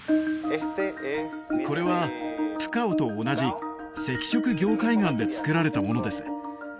これはプカオと同じ赤色凝灰岩でつくられたものです